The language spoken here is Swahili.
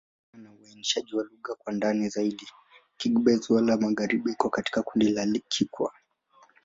Kufuatana na uainishaji wa lugha kwa ndani zaidi, Kigbe-Xwla-Magharibi iko katika kundi la Kikwa.